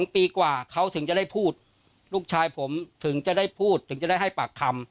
ปีกว่าเขาถึงจะได้พูดลูกชายผมถึงจะได้พูดถึงจะได้ให้ปากคำ